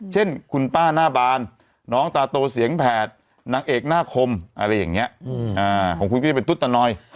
เช่นคุณป้าหน้าบานน้องตาโตเสียงแผดนางเอกหน้าคมอะไรอย่างนี้ของคุณก็จะเป็นตุ๊ดตานอย